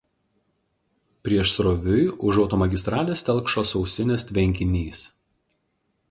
Priešsroviui už automagistralės telkšo Sausinės tvenkinys.